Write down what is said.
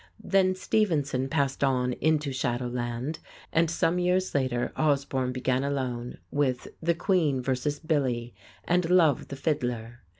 Then Stevenson passed on into Shadow Land, and some years later Osbourne began alone with "The Queen Versus Billy" and "Love the Fiddler."